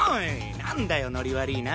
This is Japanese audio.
なんだよノリ悪いな。